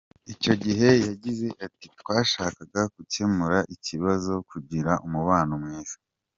Icyo gihe yagize ati “Twashakaga gukemura iki kibazo, kugira umubano mwiza.